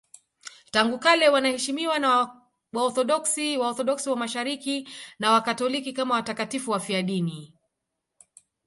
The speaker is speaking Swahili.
Tangu kale wanaheshimiwa na Waorthodoksi, Waorthodoksi wa Mashariki na Wakatoliki kama watakatifu wafiadini.